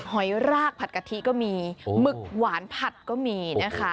หอยรากผัดกะทิก็มีหมึกหวานผัดก็มีนะคะ